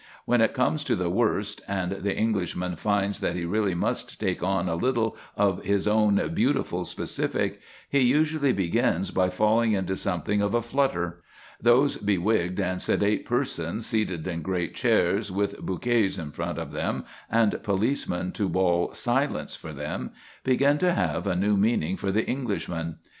When it comes to the worst, and the Englishman finds that he really must take on a little of his own beautiful specific, he usually begins by falling into something of a flutter. Those bewigged and sedate persons seated in great chairs, with bouquets in front of them and policemen to bawl "Silence!" for them, begin to have a new meaning for the Englishman.